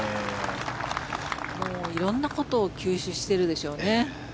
色んなことを吸収しているでしょうね。